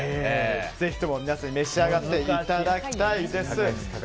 ぜひとも皆さんに召し上がっていただきたいです。